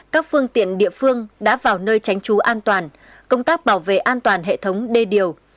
các phương tiện địa phương đã vào nơi tránh trú an toàn công tác bảo vệ an toàn hệ thống đê điều